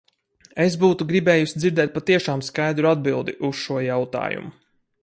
Es būtu gribējusi dzirdēt patiešām skaidru atbildi uz šo jautājumu.